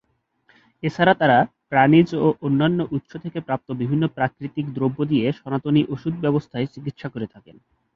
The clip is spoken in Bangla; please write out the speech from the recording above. এছাড়া তারা প্রাণীজ ও অন্যান্য উৎস থেকে প্রাপ্ত বিভিন্ন প্রাকৃতিক দ্রব্য দিয়ে সনাতনী ওষুধ ব্যবস্থায় চিকিৎসা করে থাকেন।